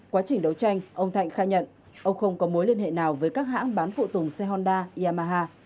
quá trình đấu tranh ông thạnh khai nhận ông không có mối liên hệ nào với các hãng bán phụ tùng xe honda yamaha